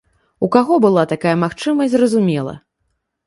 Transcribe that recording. У каго была такая магчымасць, зразумела.